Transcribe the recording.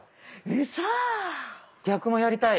ウソ⁉逆もやりたい。